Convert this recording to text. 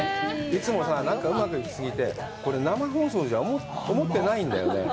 いつもさ、なんかうまくいき過ぎて、これ生放送じゃ、思ってないんだよね。